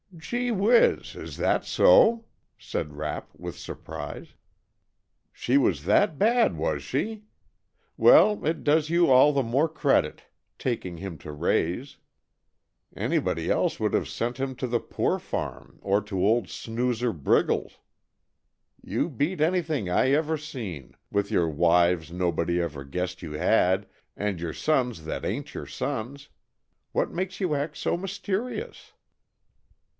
"Gee whiz! Is that so!" said Rapp with surprise. "She was that bad, was she? Well, it does you all the more credit, taking him to raise. Anybody else would have sent him to the poor farm or to old snoozer Briggles. You beat anything I ever seen, with your wives nobody ever guessed you had, and your sons that ain't your sons. What makes you act so mysterious?"